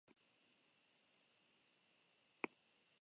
Berrikusi egin duzue pelikula, zuen moldaketa prozesuan?